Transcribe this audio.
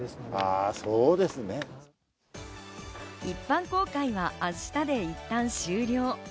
一般公開は明日で一旦終了。